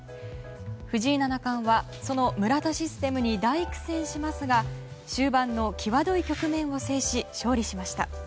藤井七冠は、その村田システムに大苦戦しますが終盤の際どい局面を制し勝利しました。